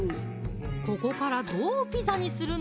ここからどうピザにするの？